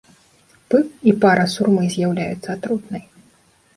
Пыл і пара сурмы з'яўляецца атрутнай.